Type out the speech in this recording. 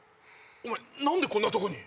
お前何でこんなとこに？